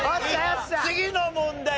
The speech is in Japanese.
次の問題